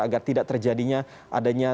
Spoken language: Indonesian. agar tidak terjadinya adanya